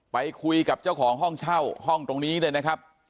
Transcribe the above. ไปคุยกับเจ้าของห้องเช่าห้องตรงนี้เลยนะครับ